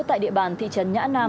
tại địa bàn thị trấn nhã nam